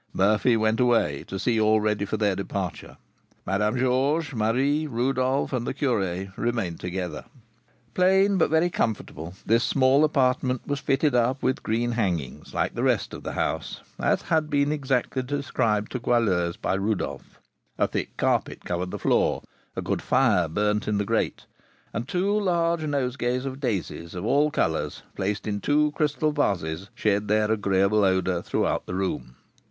Murphy went away, to see all ready for their departure. Madame Georges, Marie, Rodolph, and the curé remained together. Plain, but very comfortable, this small apartment was fitted up with green hangings, like the rest of the house, as had been exactly described to Goualeuse by Rodolph. A thick carpet covered the floor, a good fire burnt in the grate, and two large nosegays of daisies of all colours, placed in two crystal vases, shed their agreeable odour throughout the room.